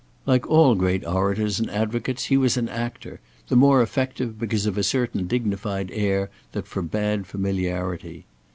Like all great orators and advocates, he was an actor; the more effective because of a certain dignified air that forbade familiarity.